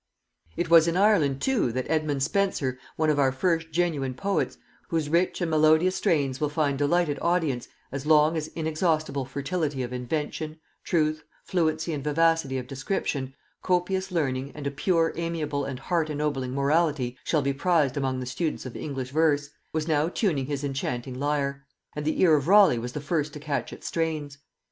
It was in Ireland too that Edmund Spenser, one of our first genuine poets, whose rich and melodious strains will find delighted audience as long as inexhaustible fertility of invention, truth, fluency and vivacity of description, copious learning, and a pure, amiable and heart ennobling morality shall be prized among the students of English verse, was now tuning his enchanting lyre; and the ear of Raleigh was the first to catch its strains.